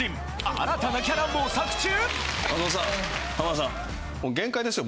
新たなキャラ模索中！？